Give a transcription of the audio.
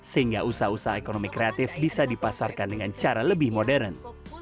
sehingga usaha usaha ekonomi kreatif bisa dipasarkan dengan cara lebih modern